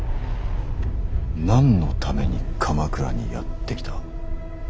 何のために鎌倉にやって来た。